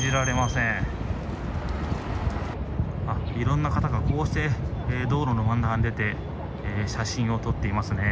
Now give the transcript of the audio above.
いろんな方がこうして道路の真ん中に出て写真を撮っていますね。